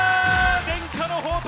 伝家の宝刀